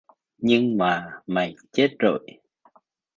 Nhưng mà mày chết rồi